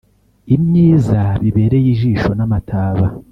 imyiza bibereye ijisho n’amataba